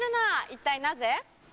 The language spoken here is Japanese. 一体なぜ？